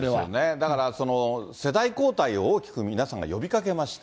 だから世代交代を大きく皆さんが呼びかけました。